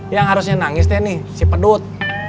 yang harusnya nangis tuh ini si pedut